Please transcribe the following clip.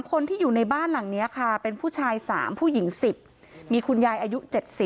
คนที่อยู่ในบ้านหลังนี้ค่ะเป็นผู้ชาย๓ผู้หญิง๑๐มีคุณยายอายุ๗๐